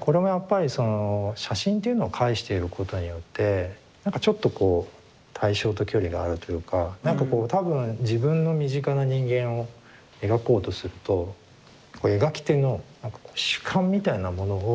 これもやっぱりその写真っていうのを介していることによって何かちょっとこう対象と距離があるというか何かこう多分自分の身近な人間を描こうとすると描き手の何かこう主観みたいなものを。